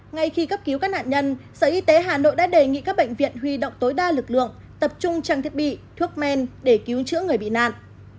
ngay khi cấp cứu các nạn nhân sở y tế hà nội đã đề nghị các bệnh viện huy động tối đa lực lượng tập trung trang thiết bị thuốc men để cứu chữa người bị nạn